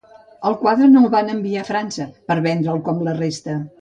El quadre no el va enviar a França per vendre'l com la resta.